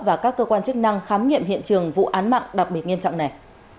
và các cơ quan chức năng khám nghiệm hiện trường vụ án mạng đặc biệt nghiêm trọng này